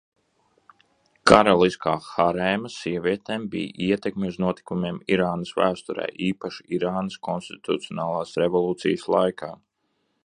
Karaliskā harēma sievietēm bija ietekme uz notikumiem Irānas vēsturē, īpaši Irānas konstitucionālās revolūcijas laikā.